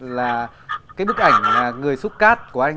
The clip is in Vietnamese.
là cái bức ảnh là người xúc cát của anh